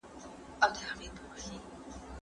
د لارښود مسوولیت بابیزه نه ګڼل کېږي.